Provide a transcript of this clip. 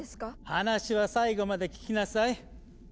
話は最後まで聞きなさい。